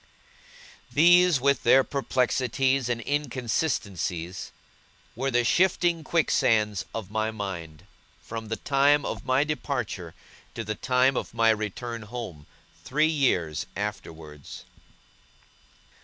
These, with their perplexities and inconsistencies, were the shifting quicksands of my mind, from the time of my departure to the time of my return home, three years afterwards.